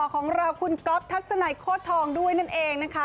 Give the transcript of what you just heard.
ของเราคุณก๊อฟทัศนัยโคตรทองด้วยนั่นเองนะคะ